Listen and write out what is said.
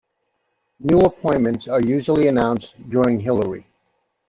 New appointments are usually announced during Hilary.